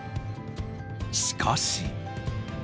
しかし。